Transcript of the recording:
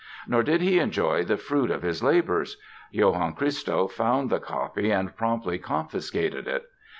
Nor did he enjoy the fruit of his labors. Johann Christoph found the copy and promptly confiscated it.